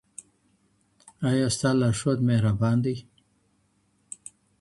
ایا ستا لارښود مهربان دی؟